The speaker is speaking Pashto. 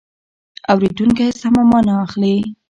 اورېدونکی سمه مانا اخلي.